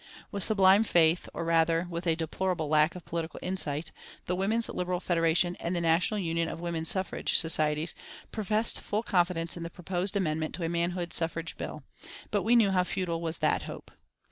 With sublime faith, or rather with a deplorable lack of political insight, the Women's Liberal Federation and the National Union of Women's Suffrage Societies professed full confidence in the proposed amendment to a manhood suffrage bill, but we knew how futile was that hope.